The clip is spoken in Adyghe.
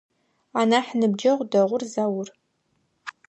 Анахь ныбджэгъу дэгъур Заур.